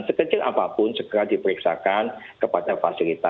sekecil apapun segera diperiksakan kepada fasilitas